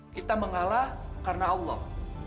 kita mengalah karena allah